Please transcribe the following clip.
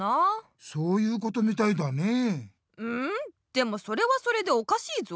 でもそれはそれでおかしいぞ。